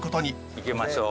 行きましょう。